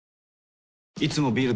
いつもビール